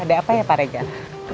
ada apa ya pak reza